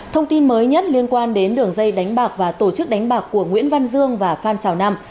thông tin mới nhất liên quan đến đường dây đánh bạc và tổ chức đánh bạc của nguyễn văn dương và phan xào nam